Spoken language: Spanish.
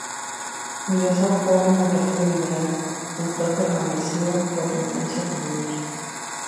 Ingresó joven al Partido Liberal, al cual perteneció por la influencia familiar.